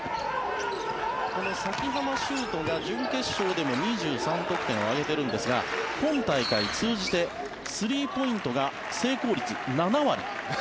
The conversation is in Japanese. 崎濱秀斗が準決勝でも２３得点挙げてるんですが今大会通じてスリーポイントが成功率、７割。